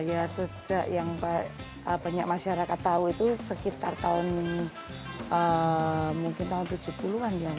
ya sejak yang banyak masyarakat tahu itu sekitar tahun mungkin tahun tujuh puluh an ya